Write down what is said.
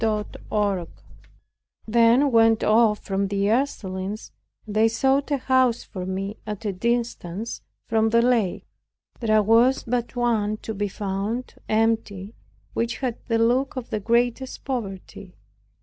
CHAPTER 13 I then went off from the Ursulines and they sought for a house for me at a distance from the lake. There was but one to be found empty which had the look of the greatest poverty.